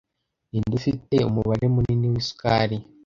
Ninde ufite umubare munini w'isukari